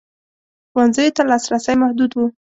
ښوونځیو ته لاسرسی محدود و.